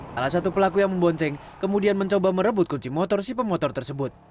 salah satu pelaku yang membonceng kemudian mencoba merebut kunci motor si pemotor tersebut